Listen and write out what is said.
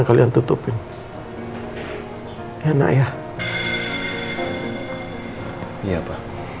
kasih tau papa